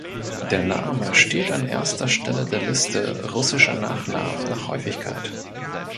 Der Name steht an erster Stelle der Liste russischer Nachnamen nach Häufigkeit.